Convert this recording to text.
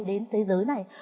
đến thế giới này